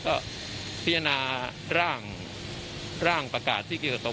ก็พิจารณาร่างประกาศที่เกี่ยวกับ